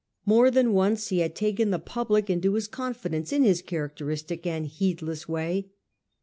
More than once he had taken the public into his confidence in his characteristic and heedless way.